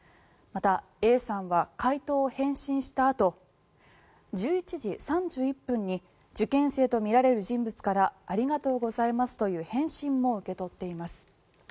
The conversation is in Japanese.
またＡさんは解答を返信したあと１１時３１分に受験生とみられる人物からありがとうございますという返信も受け取っています。